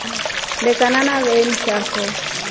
Lekana nafe amsha fo.